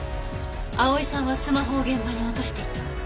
蒼さんはスマホを現場に落としていた。